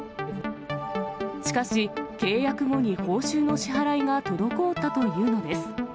しかし、契約後に報酬の支払いが滞ったというのです。